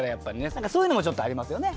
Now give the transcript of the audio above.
何かそういうのもちょっとありますよね。